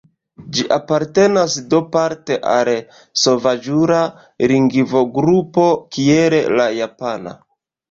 Ĝi apartenas do parte al sovaĝula lingvogrupo kiel la japana.